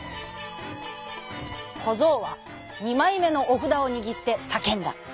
こぞうはにまいめのおふだをにぎってさけんだ。